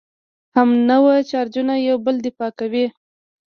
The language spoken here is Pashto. همنوع چارجونه یو بل دفع کوي.